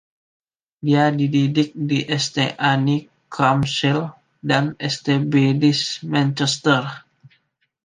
Dia dididik di St Anne's, Crumpsall, dan St Bede's, Manchester.